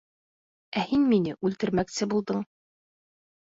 Ә һин мине үлтермәксе булдың.